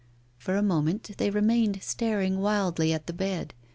For a moment they remained staring wildly at the bed.